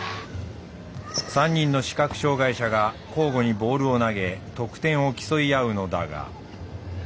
３人の視覚障害者が交互にボールを投げ得点を競い合うのだが。